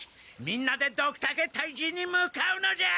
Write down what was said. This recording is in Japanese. みんなでドクタケ退治に向かうのじゃ！